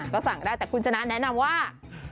ก็สั่งได้แต่คุณชนะแนะนำว่า